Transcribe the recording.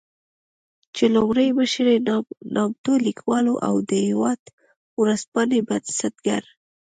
چې لومړی مشر يې نامتو ليکوال او د "هېواد" ورځپاڼې بنسټګر